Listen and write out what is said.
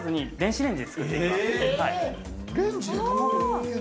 レンジで？